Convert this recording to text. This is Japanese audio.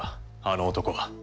あの男は。